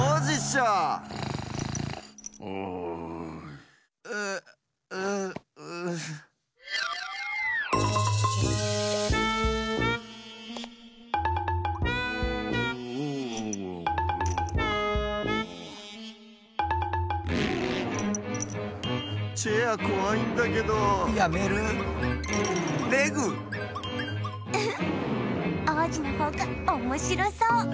ウフッおうじのほうがおもしろそう。